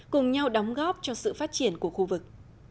cùng nhau đóng góp cho sự phát triển của khu vực